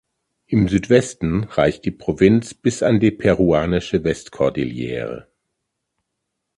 Im Südwesten reicht die Provinz bis an die peruanische Westkordillere.